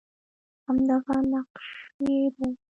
همدغه نقش یې دی